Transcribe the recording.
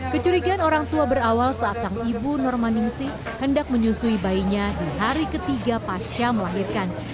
kecurigaan orang tua berawal saat sang ibu normaningsi hendak menyusui bayinya di hari ketiga pasca melahirkan